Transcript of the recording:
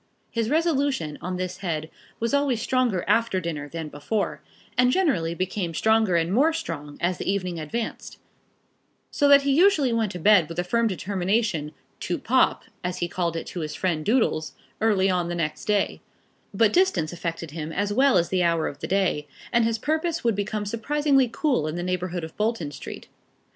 His resolution on this head was always stronger after dinner than before, and generally became stronger and more strong as the evening advanced; so that he usually went to bed with a firm determination "to pop," as he called it to his friend Doodles, early on the next day; but distance affected him as well as the hour of the day, and his purpose would become surprisingly cool in the neighbourhood of Bolton Street.